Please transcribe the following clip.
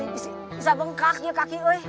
bisa bengkak ya kaki